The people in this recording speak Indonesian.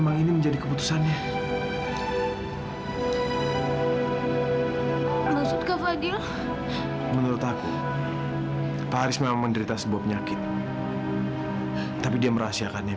maksud ke fadil menurut aku pak aris memang menderita sebuah penyakit tapi dia merahsiakannya